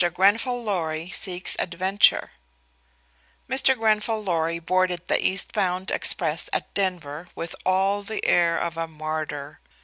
GRENFALL LORRY SEEKS ADVENTURE Mr. Grenfall Lorry boarded the east bound express at Denver with all the air of a martyr.